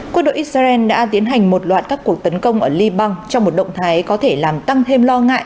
quân đội israel đã tiến hành một loạt các cuộc tấn công ở liban trong một động thái có thể làm tăng thêm lo ngại